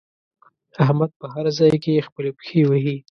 احمد په هر ځای کې خپلې پښې وهي.